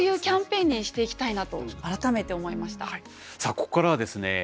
ここからはですね